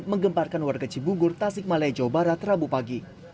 menggemparkan warga cibugur tasik malaya jawa barat rabu pagi